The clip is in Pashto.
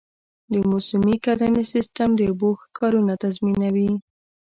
د موسمي کرنې سیستم د اوبو ښه کارونه تضمینوي.